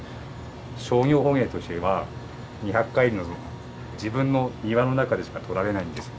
商業捕鯨としては２００海里の自分の庭の中でしか獲られないんですよ。